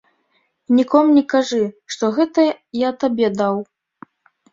І нікому не кажы, што гэта я табе даў.